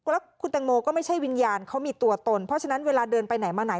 แล้วคุณแตงโมก็ไม่ใช่วิญญาณเขามีตัวตนเพราะฉะนั้นเวลาเดินไปไหนมาไหน